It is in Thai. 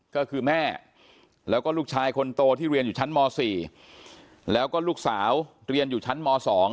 ก็คือแม่แล้วก็ลูกชายคนโตที่เรียนอยู่ชั้นม๔แล้วก็ลูกสาวเรียนอยู่ชั้นม๒